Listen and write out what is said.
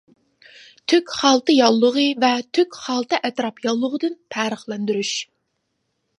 تۈك خالتا ياللۇغى ۋە تۈك خالتا ئەتراپ ياللۇغىدىن پەرقلەندۈرۈش.